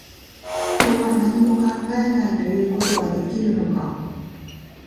人は、何も考えないということはできるのか